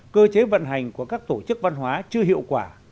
cơ chế vận hành của các tổ chức văn hóa chưa hiệu quả